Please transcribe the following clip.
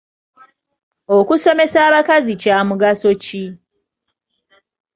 Okusomesa abakazi kya mugaso ki?